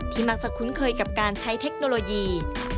มักจะคุ้นเคยกับการใช้เทคโนโลยี